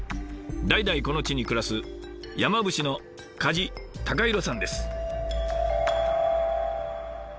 代々この地に暮らす山伏の梶隆広さんです。